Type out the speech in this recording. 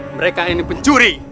mereka ini pencuri